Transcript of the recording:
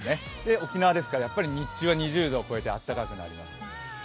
沖縄ですから、やはり日中は２０度を超えて暖かくなります。